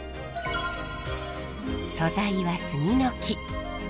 素材は杉の木。